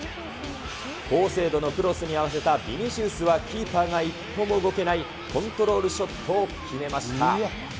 高精度のクロスに合わせたビニシウスはキーパーが一歩も動けないコントロールショットを決めました。